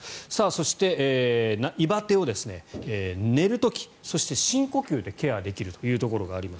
そして、胃バテを寝る時そして深呼吸でケアできるというのがあります。